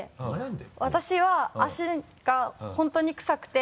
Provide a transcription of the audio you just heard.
私は足が本当にクサくて。